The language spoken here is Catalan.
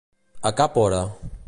A cap hora.